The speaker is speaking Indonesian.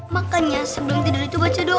makanya sebelum tidur itu baca doa